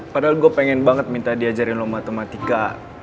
padahal gue pengen banget minta diajarin lo matematika